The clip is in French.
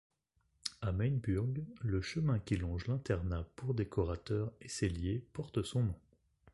À Mainburg, le chemin qui longe l'internat pour décorateurs et selliers porte son nom.